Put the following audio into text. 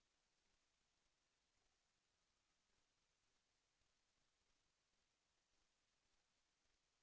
แสวได้ไงของเราก็เชียนนักอยู่ค่ะเป็นผู้ร่วมงานที่ดีมาก